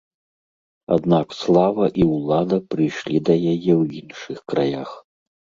Аднак слава і ўлада прыйшла да яе ў іншых краях.